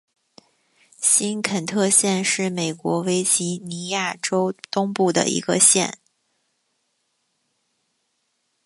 新肯特县是美国维吉尼亚州东部的一个县。